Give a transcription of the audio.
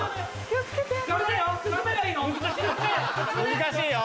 難しいよ。